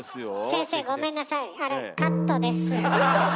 先生ごめんなさい。